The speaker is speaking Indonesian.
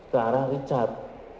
ke arah richard